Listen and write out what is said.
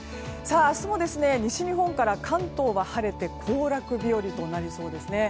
明日も、西日本から関東は晴れて行楽日和となりそうです。